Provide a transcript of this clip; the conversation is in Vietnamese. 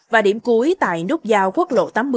và điểm cuối tại nút giao quốc lộ tám mươi